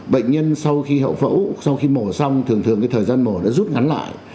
bệnh nhân sau khi hậu phẫu sau khi mổ xong thường thường thời gian mổ đã rút ngắn lại